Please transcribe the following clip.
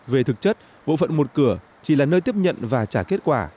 về thực chất bộ phận một cửa chỉ là nơi tiếp nhận và trả kết quả